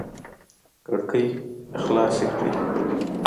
کړکۍ خلاص کړئ